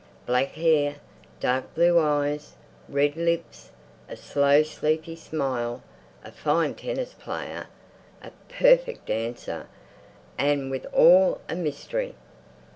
Black hair, dark blue eyes, red lips, a slow sleepy smile, a fine tennis player, a perfect dancer, and with it all a mystery.